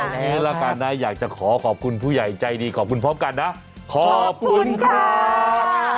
เอางี้ละกันนะอยากจะขอขอบคุณผู้ใหญ่ใจดีขอบคุณพร้อมกันนะขอบคุณครับ